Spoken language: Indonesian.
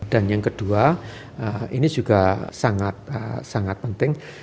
dan yang kedua ini juga sangat sangat penting